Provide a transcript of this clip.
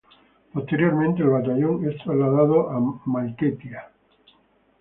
Posteriormente el batallón es trasladado a Maiquetía.